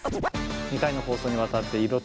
２回の放送にわたっていろ